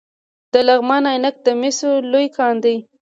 د لغمان عينک د مسو لوی کان دی